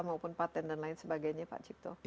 maupun patent dan lain sebagainya pak cipto